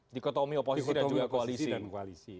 dikotomi oposisi dan juga koalisi